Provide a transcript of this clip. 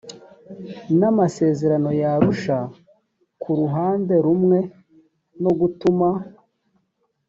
n amasezerano y arusha ku ruhande rumwe no gutuma